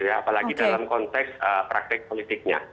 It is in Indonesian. apalagi dalam konteks praktek politiknya